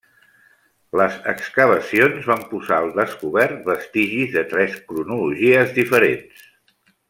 Les excavacions van posar al descobert vestigis de tres cronologies diferents.